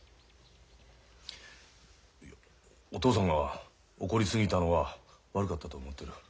いやお父さんが怒り過ぎたのは悪かったと思ってる。